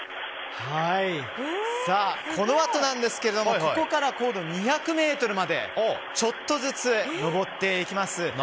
このあとなんですけどもここから高度２００ｍまでちょっとずつ上っていきます。